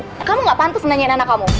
eh kamu gak pantas nanyain anak kamu